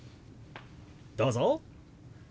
どうぞ。